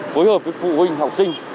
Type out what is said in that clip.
phối hợp với phụ huynh học sinh